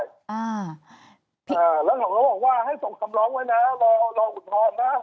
อ่าแล้วเขาก็บอกว่าให้ส่งคำร้องไว้นะรอรออุทธรณ์นะ